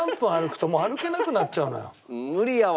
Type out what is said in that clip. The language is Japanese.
無理やわ。